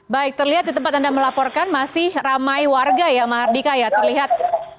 baik terlihat di tempat anda melaporkan masih ramai warga ya mahardika ya terlihat